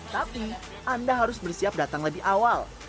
tapi anda harus bersiap datang lebih awal